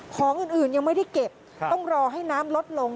ของอื่นยังไม่ได้เก็บต้องรอให้น้ำลดลง